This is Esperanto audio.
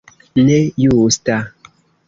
Ne justa!